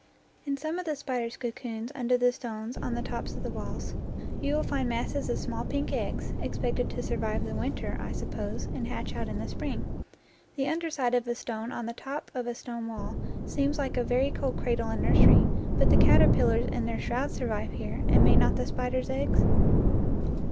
In some of the spiders' cocoons under the stones on the tops of the walls you will find masses of small pink eggs, expected to survive the winter, I suppose, 25 NATURE LORE and hatch out in the spring. The under side of a stone on the top of a stone wall seems like a very cold cradle and nursery, but the caterpillars in their shrouds survive here, and may not the spiders' eggs?